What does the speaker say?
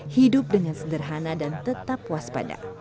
hidup dengan sederhana dan tetap waspada